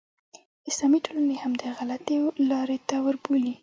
اسلامي ټولنې همدې غلطې لارې ته وربولي.